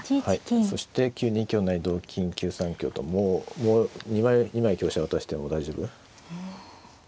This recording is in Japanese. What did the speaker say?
そして９二香成同金９三香ともう２枚香車渡しても大丈夫。